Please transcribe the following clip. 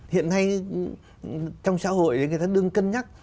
hiện nay trong xã hội người ta đừng cân nhắc